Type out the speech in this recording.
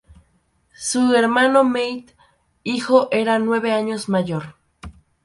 Su hermano, Mead hijo, era nueve años mayor.